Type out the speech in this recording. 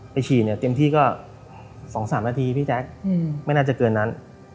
ฉี่เนี่ยเต็มที่ก็๒๓นาทีพี่แจ๊คไม่น่าจะเกินนั้น